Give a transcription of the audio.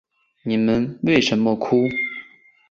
你们为什么哭？